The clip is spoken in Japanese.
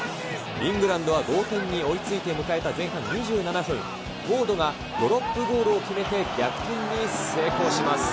イングランドは同点に追いついて迎えた前半２７分、フォードがドロップゴールを決めて逆転に成功します。